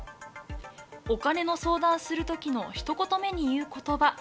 お金の相談するときのひと言目に言うことば。